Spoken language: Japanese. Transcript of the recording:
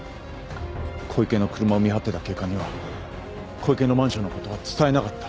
小池の車を見張ってた警官には小池のマンションのことは伝えなかった。